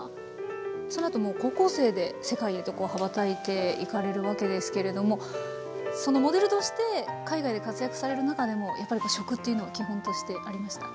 そのあともう高校生で世界へと羽ばたいていかれるわけですけれどもそのモデルとして海外で活躍される中でもやっぱり食というのは基本としてありました？